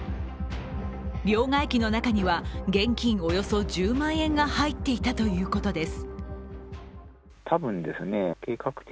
両替機の中には現金およそ１０万円が入っていたということです。